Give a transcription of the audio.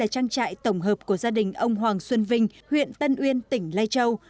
trang trại tổng hợp của gia đình ông hoàng xuân vinh huyện tân uyên tỉnh lai châu